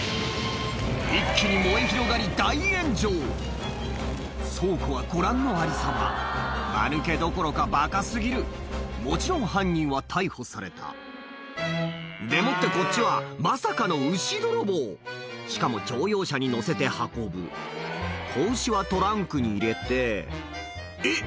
一気に燃え広がり大炎上倉庫はご覧のありさまマヌケどころかバカ過ぎるもちろん犯人は逮捕されたでもってこっちはまさかの牛泥棒しかも乗用車に載せて運ぶ子牛はトランクに入れてえっ